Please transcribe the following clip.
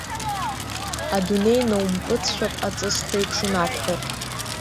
Адунеи наумпыҵшәап аҵысхә еиԥш, унаҭәҳәар.